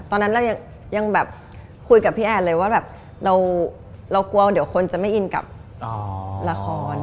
ตอนนั้นเรายังแบบคุยกับพี่แอนเลยว่าแบบเรากลัวเดี๋ยวคนจะไม่อินกับละคร